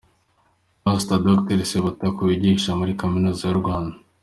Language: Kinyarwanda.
Pastor Dr Sebatukura wigisha muri kaminuza y'u Rwanda.